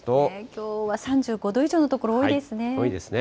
きょうは３５度以上の所、多いですね。